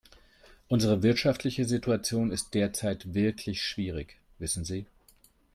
Unsere wirtschaftliche Situation ist derzeit wirklich schwierig, wissen Sie.